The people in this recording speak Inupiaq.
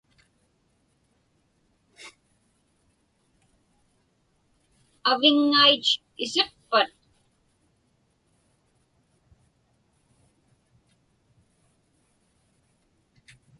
Aviŋŋait isiqpat?